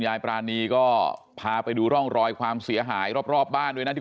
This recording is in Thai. ปรานีก็พาไปดูร่องรอยความเสียหายรอบบ้านด้วยนะที่